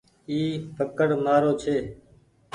اي پڪڙ مآرو ڇي ۔